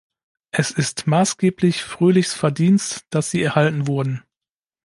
Es ist maßgeblich Fröhlichs Verdienst, dass sie erhalten wurden.